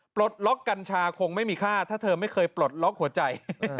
ปลดล็อกกัญชาคงไม่มีค่าถ้าเธอไม่เคยปลดล็อกหัวใจ